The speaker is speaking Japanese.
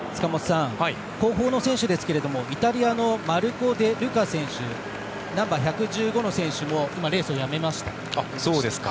後方の選手ですがイタリアのマルコ・デ・ルカ選手ナンバー１１５の選手も今、レースをやめました。